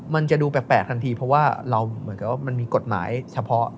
มันจะดูแปลกทันทีเพราะว่ามีกฎหมายเฉพาะ